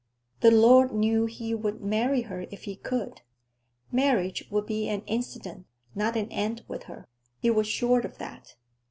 The Lord knew he would marry her if he could! Marriage would be an incident, not an end with her; he was sure of that.